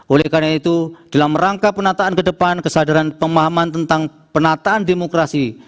oleh karena itu dalam rangka penataan ke depan kesadaran pemahaman tentang penataan demokrasi